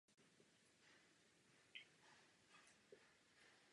Na konci roku se vrátil do Žiliny.